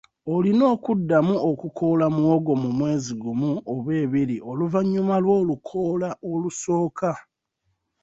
Olina okuddamu okukoola muwogo mu mwezi gumu oba ebiri oluvannyuma lw'olukoola olusooka.